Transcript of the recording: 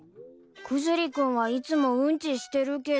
クズリ君はいつもウンチしてるけど。